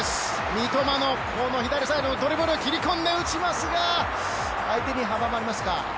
三笘の左サイドのドリブル切り込んで打ちますが相手に阻まれました。